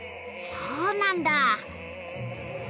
そうなんだ。